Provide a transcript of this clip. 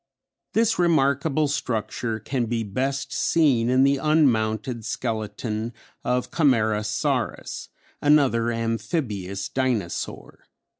This remarkable structure can be best seen in the unmounted skeleton of Camarasaurus, another Amphibious Dinosaur."